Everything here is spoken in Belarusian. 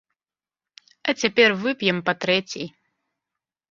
А цяпер вып'ем па трэцяй!